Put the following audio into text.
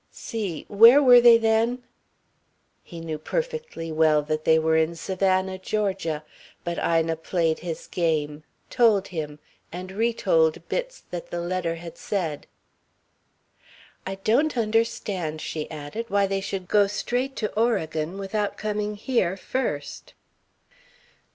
"See where were they then?" He knew perfectly well that they were in Savannah, Georgia, but Ina played his game, told him, and retold bits that the letter had said. "I don't understand," she added, "why they should go straight to Oregon without coming here first."